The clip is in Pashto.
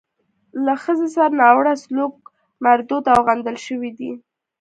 له ښځې سره ناوړه سلوک مردود او غندل شوی دی.